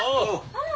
あら。